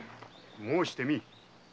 申してみい。